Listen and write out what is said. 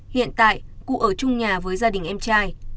hiện tại cụ ở trung nhà với gia đình em trai